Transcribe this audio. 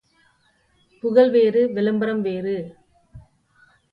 புகழ் வேறு விளம்பரம் வேறு.